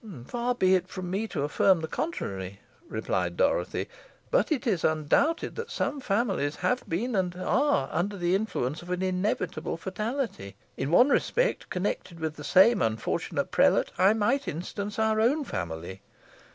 "Far be it from me to affirm the contrary," replied Dorothy; "but it is undoubted that some families have been, and are, under the influence of an inevitable fatality. In one respect, connected also with the same unfortunate prelate, I might instance our own family.